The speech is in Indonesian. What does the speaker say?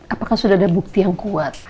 apakah sudah ada bukti yang kuat